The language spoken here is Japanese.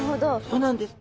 そうなんです。